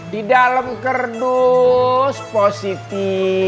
di dalem kerdus positi